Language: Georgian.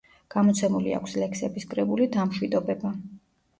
გამოცემული აქვს ლექსების კრებული „დამშვიდობება“.